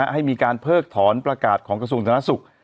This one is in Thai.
ให้มีการเพิกถอนประกาศของกระทรวงธนสุข